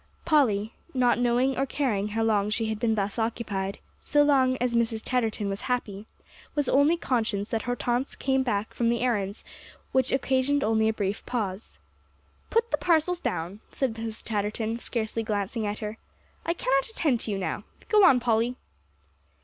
Polly, not knowing or caring how long she had been thus occupied, so long as Mrs. Chatterton was happy, was only conscious that Hortense came back from the errands, which occasioned only a brief pause. "Put the parcels down," said Mrs. Chatterton, scarcely glancing at her, "I cannot attend to you now. Go on, Polly."